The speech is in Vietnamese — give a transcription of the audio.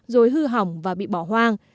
rồi hư hỏng và bị bỏ hoang